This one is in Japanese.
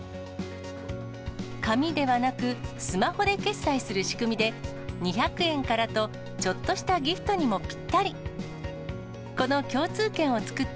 紙ではなく、スマホで決済する仕組みで、２００円からと、ちょっとしたギフトにもぴったり。